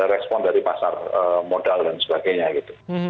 respon dari pasar modal dan sebagainya gitu